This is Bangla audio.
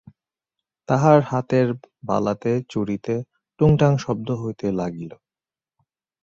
তাঁহার হাতের বালাতে চুড়িতে ঠুং ঠাং শব্দ হইতে লাগিল।